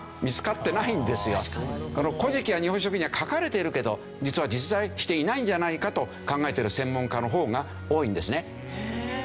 その『古事記』や『日本書紀』には書かれているけど実は実在していないんじゃないかと考えている専門家の方が多いんですね。